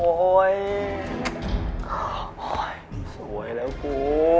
โอ้ยสวยแล้วปู